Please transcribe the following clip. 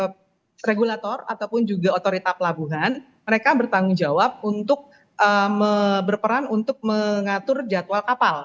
beberapa regulator ataupun juga otorita pelabuhan mereka bertanggung jawab untuk berperan untuk mengatur jadwal kapal